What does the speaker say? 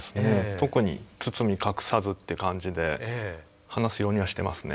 特に包み隠さずって感じで話すようにはしてますね。